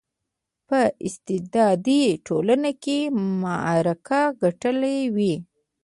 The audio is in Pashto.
په استبدادي ټولنه کې معرکه ګټلې وای.